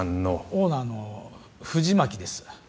オーナーの藤巻です。